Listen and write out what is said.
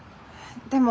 でも。